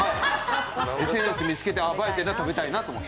ＳＮＳで見つけて、映えてるな食べたいなって。